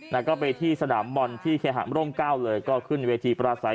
แล้วก็ไปที่สนามบอลที่เคหะร่มเก้าเลยก็ขึ้นเวทีปราศัย